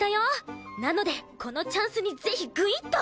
なのでこのチャンスにぜひグイッと！